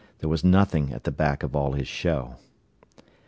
There was nothing at the back of all his show.